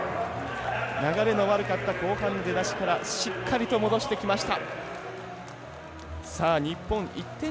流れの悪かった後半出だしからしっかりと戻してきました。